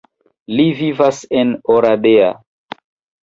Li vivas en Oradea.